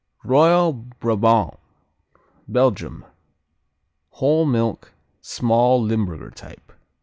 Royal Brabant Belgium Whole milk. Small, Limburger type.